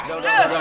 jauh jauh jauh